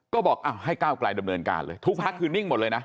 ก็บอกให้ก้าวไกลดำเนินการเลยทุกพักคือนิ่งหมดเลยนะ